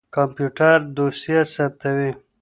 کمپيوټر دوسيه ثبتوي.